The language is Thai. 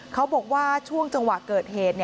เขาบอกว่าช่วงจังหวะเกิดเหตุ